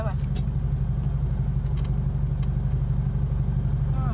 โทรศัพท์ที่ถ่ายคลิปสุดท้าย